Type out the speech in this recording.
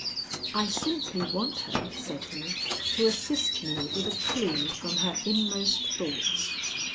"I simply want her," said he, "to assist me with a clue from her inmost thoughts.